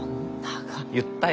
言ったよ。